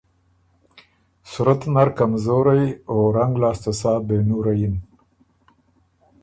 صورت نر کمزورئ او رنګ لاسته سا بې نُوره یِن